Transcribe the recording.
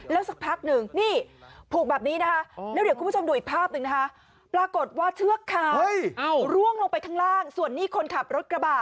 แล้วสักพักหนึ่งนี่ผูกแบบนี้นะคะแล้วเดี๋ยวคุณผู้ชมดูอีกภาพหนึ่งนะคะปรากฏว่าเชือกขาวร่วงลงไปข้างล่างส่วนนี้คนขับรถกระบะ